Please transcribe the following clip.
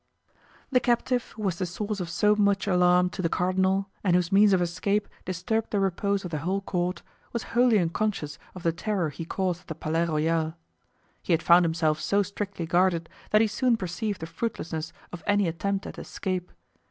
The captive who was the source of so much alarm to the cardinal and whose means of escape disturbed the repose of the whole court, was wholly unconscious of the terror he caused at the Palais Royal. He had found himself so strictly guarded that he soon perceived the fruitlessness of any attempt at escape.